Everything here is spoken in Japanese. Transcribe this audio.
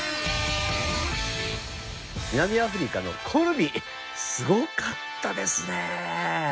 南アフリカのコルビすごかったですね。